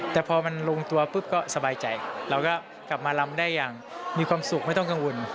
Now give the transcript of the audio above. แต่พอมันลงตัวปุ๊บก็สบายใจเราก็กลับมาลำได้อย่างมีความสุขไม่ต้องกังวล